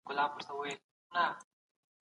که ټول دا مسووليت درک کړي، ټولنه به اصلاح سي.